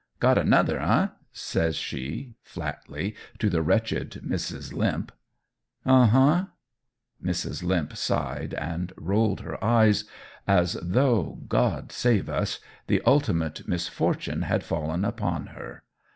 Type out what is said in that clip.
"Got another, eh?" says she, flatly, to the wretched Mrs. Limp. "Uh huh!" Mrs. Limp sighed and rolled her eyes, as though, God save us! the ultimate misfortune had fallen upon her.